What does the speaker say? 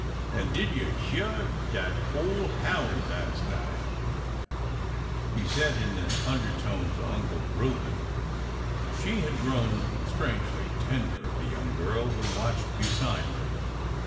An' did you hyeah dat ole houn' las' night ?" She said it in an undertone to Uncle Reuben. She had grown strangely tender of the young girl who watched beside her.